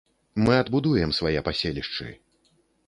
Мы адбудуем свае паселішчы.